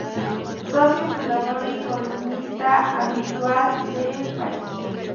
Socio fundador y columnista habitual de "El País".